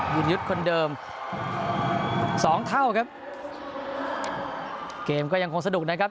ยุทธ์คนเดิมสองเท่าครับเกมก็ยังคงสนุกนะครับ